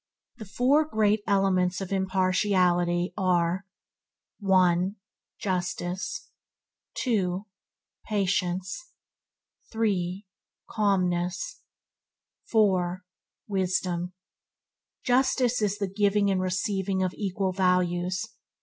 The four great elements of impartiality are 1. Justice 2. Patience 3. Calmness 4. Wisdom Justice is the giving and receiving of equal values.